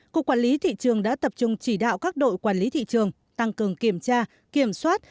cục quản lý thị trường đã tập trung chỉ đạo các đội quản lý thị trường tăng cường kiểm tra kiểm soát